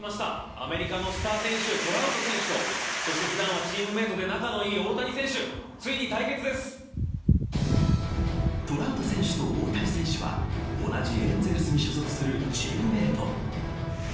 アメリカのスター選手トラウト選手とそして普段はチームメートで仲のいい大谷選手トラウト選手と大谷選手は同じエンゼルスに所属するチームメイト。